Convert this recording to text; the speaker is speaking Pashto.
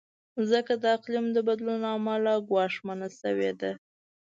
مځکه د اقلیم د بدلون له امله ګواښمنه شوې ده.